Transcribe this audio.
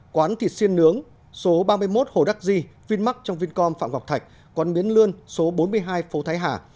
quán thịt xiên nướng số ba mươi một hồ đắc di vinmark trong vincom phạm ngọc thạch quán miến lươn số bốn mươi hai phố thái hà